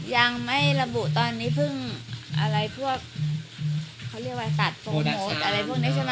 ยังไม่ระบุตอนนี้เพิ่งอะไรพวกเขาเรียกว่าสัตว์โปรโมทอะไรพวกนี้ใช่ไหม